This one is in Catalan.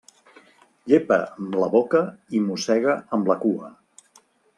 Llepa amb la boca i mossega amb la cua.